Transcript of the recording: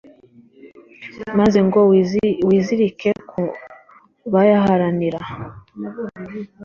maze ngo wizirike ku bayaharanira